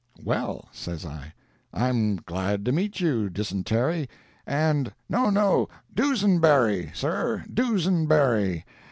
"Well," says I, "I'm glad to meet you, Dysentery, and—" "No, no Dusenberry, sir, Dusenberry!